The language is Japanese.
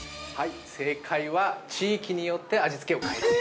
◆正解は、地域によって味付けを変えている。